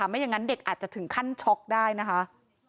ไม่อย่างนั้นเด็กอาจจะถึงขั้นช็อกได้นะคะ